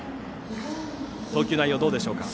投球内容はどうでしょうか？